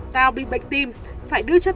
tao bị bệnh tim phải đưa cho tao